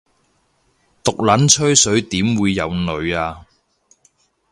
毒撚吹水點會有女吖